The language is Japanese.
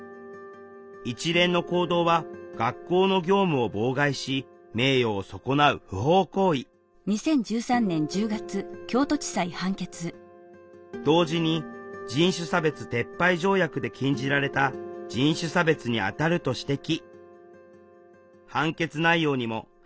一連の行動は学校の業務を妨害し名誉を損なう不法行為同時に人種差別撤廃条約で禁じられた『人種差別』にあたると指摘。